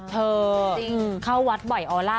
เธอเข้าวัดบ่อยออร่า